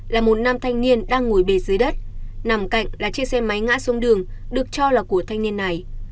là một nam thanh niên đang ngồi bề dưới đất nằm cạnh là chiếc xe máy ngã xuống đường được cho là của thanh niên này